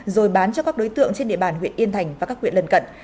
rồi bán cho các đối tượng trên địa bàn huyện yên thành và các huyện lân cận